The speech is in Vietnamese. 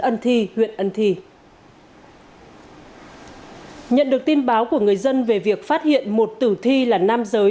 ân thi huyện ân thi nhận được tin báo của người dân về việc phát hiện một tử thi là nam giới